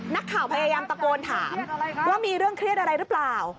นักข่าวพยายามตะโกนถามว่ามีเรื่องเครียดอะไรหรือเปล่า